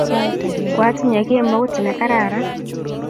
Kwatinye kemout ne kararan.